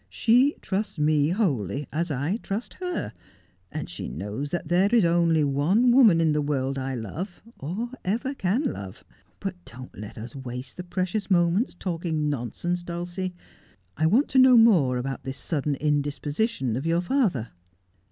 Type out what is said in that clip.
She trusts me wholly, as I trust her, and she knows that there is only one woman in the world I love, or ever can love. But don't let us waste the precious moments talking nonsense, .Dulcie. I want to know more about this sudden indisposition of your father.'